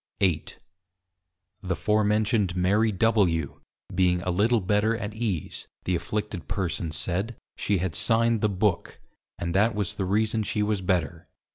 _ 8. The forementioned Mary W. being a little better at ease, the Afflicted persons said, she had signed the Book; and that was the reason she was better.